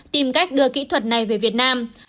tìm cách đưa kỹ thuật này về việt nam